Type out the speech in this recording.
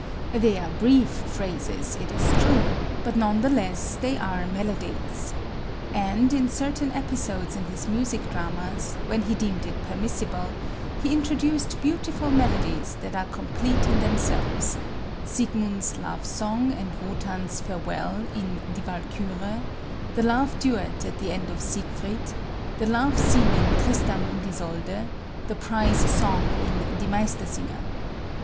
They are brief phrases, it is true, but none the less they are melodies. And, in certain episodes in his music dramas, when he deemed it permissible, he introduced beautiful melodies that are complete in themselves: Siegmund's "Love Song" and Wotan's "Farewell," in "Die Walküre," the Love Duet at the end of "Siegfried," the love scene in "Tristan und Isolde," the Prize Song in "Die Meistersinger."